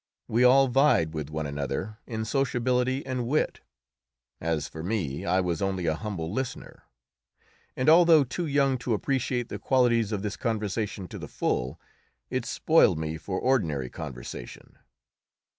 We all vied with one another in sociability and wit. As for me, I was only a humble listener, and, although too young to appreciate the qualities of this conversation to the full, it spoiled me for ordinary conversation.